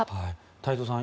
太蔵さん